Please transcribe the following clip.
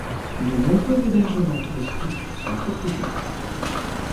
De nombreux hébergements touristiques sont proposés.